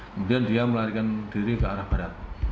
kemudian dia melarikan diri ke arah barat